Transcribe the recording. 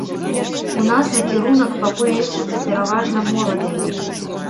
У нас накірунак пакуль лічыцца пераважна моладзевым.